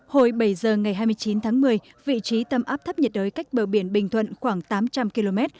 hồi bảy giờ ngày hai mươi chín tháng một mươi vị trí tâm áp thấp nhiệt đới cách bờ biển bình thuận khoảng tám trăm linh km